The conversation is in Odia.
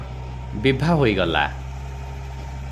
ବିଭା ହୋଇଗଲା ।